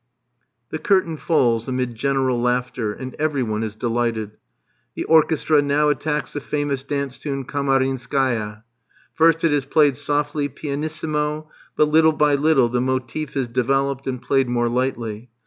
The curtain falls amid general laughter, and every one is delighted. The orchestra now attacks the famous dance tune Kamarinskaia. First it is played softly, pianissimo; but little by little, the motive is developed and played more lightly.